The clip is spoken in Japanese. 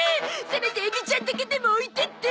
せめてエビちゃんだけでも置いてって！